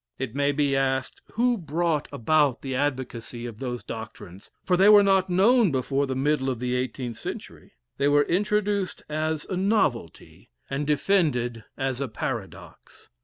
It may be asked, who brought about the advocacy of those doctrines, for they were not known before the middle of the eighteenth century? They were introduced as a novelty, and defended as a paradox.